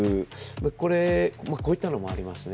こういったものもありますね。